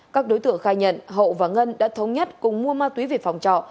các đối tượng khai nhận hậu và ngân đã thống nhất cùng mua ma túy về phòng trọ